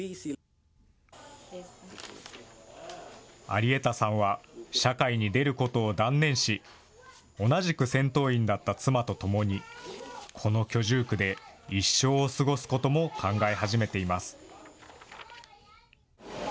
アリエタさんは、社会に出ることを断念し、同じく戦闘員だった妻と共に、この居住区で、一生を過ごすことも考え始めています。